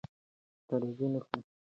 د عربي نښو پرته پښتو لوستل ګران دي.